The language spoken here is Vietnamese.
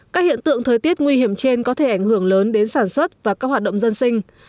các hiện tượng thời tiết nguy hiểm trên có thể ảnh hưởng lớn đến sản xuất và các hoạt động dân sinh